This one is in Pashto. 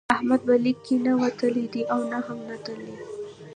احمد به لیک کې نه وتلی دی او نه هم نتلی.